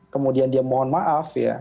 kemudian dia mohon maaf ya